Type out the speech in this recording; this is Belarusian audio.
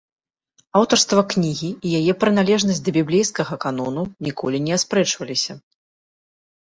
Аўтарства кнігі і яе прыналежнасць да біблейскага канону ніколі не аспрэчваліся.